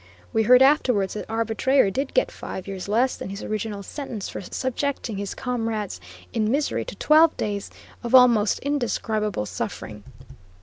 We heard afterwards that our betrayer did get five years less than his original sentence for subjecting his comrades in misery to twelve days of almost indescribable suffering.